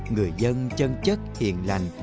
người dân chân chất hiền lành